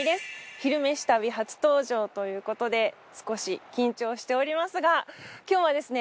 「昼めし旅」初登場ということで少し緊張しておりますが今日はですね